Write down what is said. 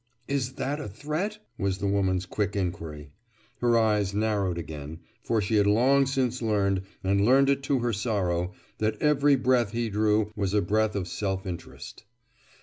"Is that a threat?" was the woman's quick inquiry. Her eyes narrowed again, for she had long since learned, and learned it to her sorrow, that every breath he drew was a breath of self interest.